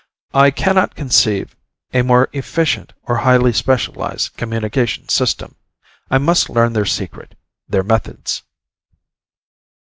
I cannot conceive a more efficient or highly specialized communications system. I must learn their secret, their methods.